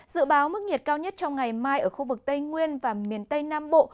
dự báo mức nhiệt cao nhất trong ngày mai ở khu vực tây nguyên và miền tây nam bộ